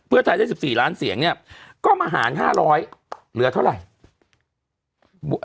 เพื่อไทยได้๑๔ล้านเสียงเนี่ยก็มาหาร๕๐๐เหลือเท่าไหร่